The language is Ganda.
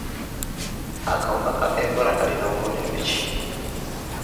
Akawuka ka Ebola kalina bubonero ki?